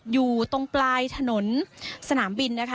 อยู่ตรงปลายถนนสนามบินนะคะ